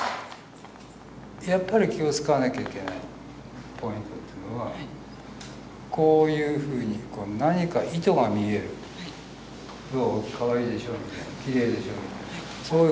やっぱり気を遣わなきゃいけないポイントっていうのはこういうふうに何か意図が見えるどう？